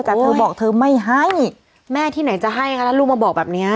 แต่เธอบอกเธอไม่ให้แม่ที่ไหนจะให้คะถ้าลูกมาบอกแบบนี้